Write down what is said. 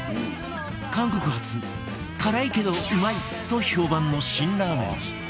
韓国発辛いけどうまいと評判の辛ラーメン